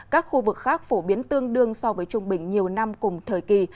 các khu vực khác phổ biến tương đương so với trung bình nhiều năm cùng thời kỳ